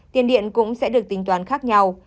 tiền điện cũng sẽ được tính toán khác nhau